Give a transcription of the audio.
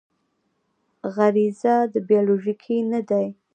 غریزه بیولوژیکي نه دی.